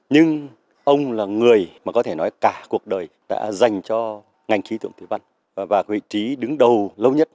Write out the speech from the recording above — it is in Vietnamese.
nhưng ông là người mà có thể nói cả cuộc đời đã dành cho ngành khí tượng thủy văn và vị trí đứng đầu lâu nhất